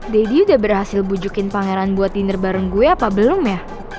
dedy udah berhasil bujukin pangeran buat dinner bareng gue apa belum ya